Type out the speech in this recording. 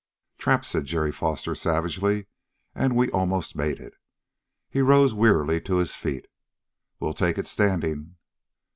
"Trapped," said Jerry Foster savagely, "and we almost made it." He rose wearily to his feet. "We'll take it standing."